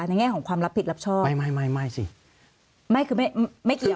ในแง่ของความรับผิดรับชอบไม่ไม่คือไม่เกี่ยว